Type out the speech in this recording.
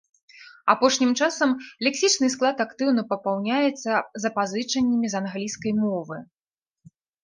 Апошнім часам лексічны склад актыўна папаўняецца запазычаннямі з англійскай мовы.